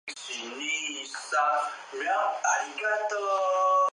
兰乔德索尔是位于美国加利福尼亚州埃尔多拉多县的一个非建制地区。